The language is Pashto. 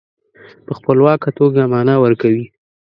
په خپلواکه توګه معنا ورکوي.